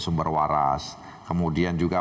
sumber waras kemudian juga